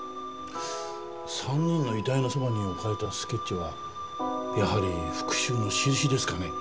３人の遺体のそばに置かれたスケッチはやはり復讐の印ですかね。